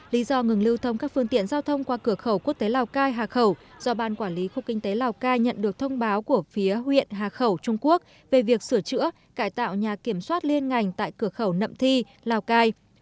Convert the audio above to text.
lý do ngừng lưu thông các phương tiện giao thông qua cửa khẩu quốc tế lào cai hà khẩu do ban quản lý khu kinh tế lào cai nhận được thông báo của phía huyện hà khẩu trung quốc về việc sửa chữa cải tạo nhà kiểm soát liên ngành tại cửa khẩu nậm thi lào cai